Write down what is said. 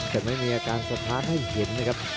แต่ไม่มีอาการสะท้านให้เห็นนะครับ